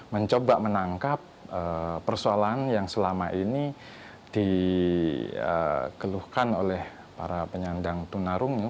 mencoba menangkap persoalan yang selama ini dikeluhkan oleh para penyandang tunarungu